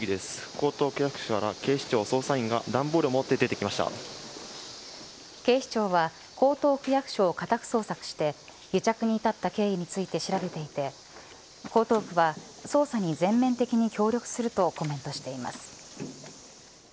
江東区役所から警視庁捜査員が警視庁は江東区役所を家宅捜索して癒着に至った経緯について調べていて江東区は捜査に全面的に協力するとコメントしています。